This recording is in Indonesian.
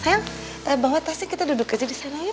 sayang teh bawa tasnya kita duduk aja di sana yuk